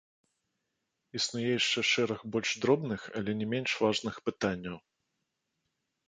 Існуе яшчэ шэраг больш дробных, але не менш важных пытанняў.